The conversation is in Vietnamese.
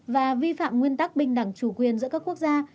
và vi phạm nguyên tắc bình đẳng chủ quyền giữa các quốc gia